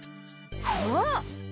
そう！